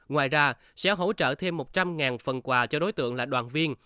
ngoài ra sẽ hỗ trợ thêm một trăm linh phần quà cho đối tượng là đoàn viên